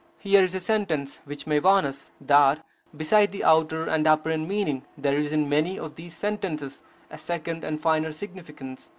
Here is a sentence which may warn us that, beside the outer and apparent meaning, there is in many of these sentences a second and finer significance.